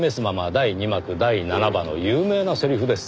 第二幕第七場の有名なセリフです。